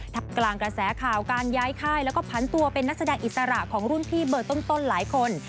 กลางกระแสข่าวการย้ายค่ายแล้วก็พันตัวเป็นนักแสดงอิสระของรุ่นพี่เบอร์ต้นหลายคน